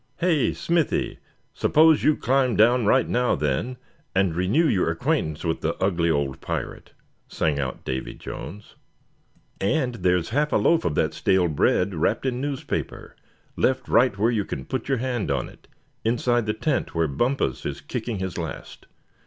"Hey, Smithy, suppose you climb down right now then, and renew your acquaintance with the ugly old pirate!" sang out Davy Jones. "And there's half a loaf of that stale bread wrapped in a newspaper, left right where you c'n put your hand on it, inside the tent where Bumpus is kicking his last.